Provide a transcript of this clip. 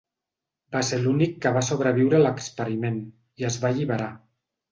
Va ser l'únic que va sobreviure a l'experiment, i es va alliberar.